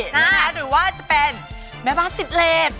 หรือว่าจะเป็นแม่บ้านติดเลส